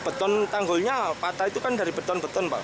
beton tanggulnya patah itu kan dari beton beton pak